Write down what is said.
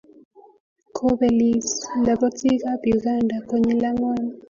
kobelis lobotikab Uganda konyil ang'wan.